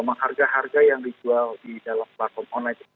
memang harga harga yang dijual di dalam platform online